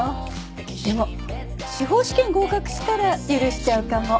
でも司法試験合格したら許しちゃうかも。